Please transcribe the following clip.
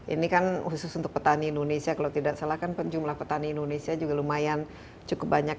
ini kan khusus untuk petani indonesia kalau tidak salah kan jumlah petani indonesia juga lumayan cukup banyak